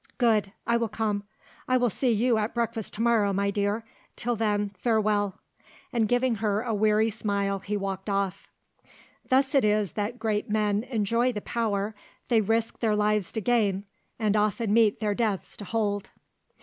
"Good, I will come. I shall see you at breakfast to morrow, my dear, till then, farewell," and giving her a weary smile he walked off. Thus it is that great men enjoy the power they risk their lives to gain and often meet their deaths to hold.